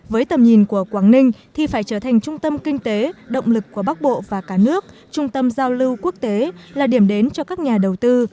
với tầm nhìn của quảng ninh thì phải trở thành trung tâm kinh tế động lực của bắc bộ và cả nước trung tâm giao lưu quốc tế là điểm đến cho các nhà đầu tư